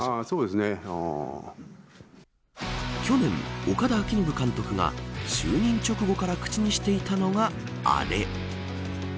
去年、岡田監督が就任直後から口にしていたのがアレ。